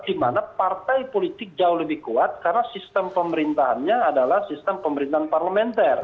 di mana partai politik jauh lebih kuat karena sistem pemerintahannya adalah sistem pemerintahan parlementer